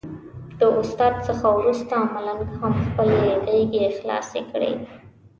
د استاد څخه وروسته ملنګ هم خپلې غېږې خلاصې کړې.